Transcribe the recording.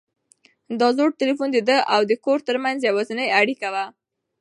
دا زوړ تلیفون د ده او د کور تر منځ یوازینۍ اړیکه وه.